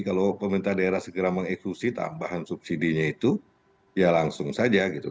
kalau pemerintah daerah segera mengeksekusi tambahan subsidi nya itu ya langsung saja gitu